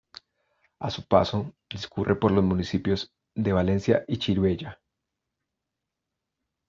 A su paso, discurre por los municipios de Valencia y Chirivella.